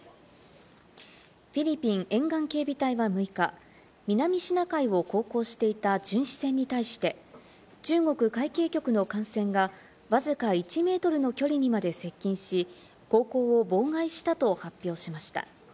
フィリピン沿岸警備隊は６日、南シナ海を航行していた巡視船に対して、中国海警局の艦船がわずか１ｍの距離にまで接近し、航行を妨害したと発表しました。